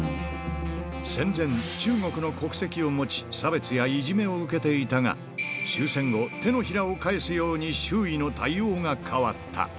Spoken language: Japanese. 戦前、中国の国籍を持ち、差別やいじめを受けていたが、終戦後、手のひらを返すように周囲の対応が変わった。